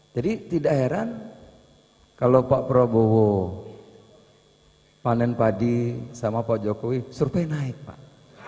jadi tidak heran kalau pak prabowo panen padi sama pak jokowi surupnya naik pak